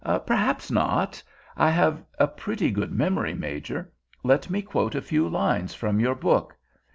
"Perhaps not. I have a pretty good memory, Major; let me quote a few lines from your book.